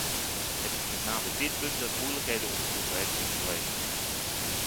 Het is met name dit punt dat moeilijkheden opgeroepen heeft in het verleden.